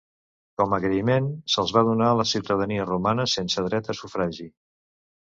Com agraïment se'ls va donar la ciutadania romana sense dret a sufragi.